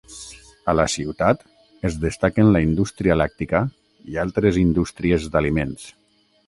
A la ciutat es destaquen la indústria làctica i altres indústries d'aliments.